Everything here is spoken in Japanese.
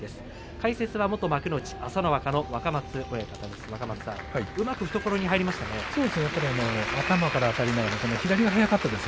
解説は元朝乃若の若松親方です。